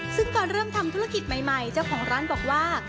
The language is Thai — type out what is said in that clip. ซึ่งก่อนเริ่มทำธุรกิจใหม่เจ้าของร้านบอกว่า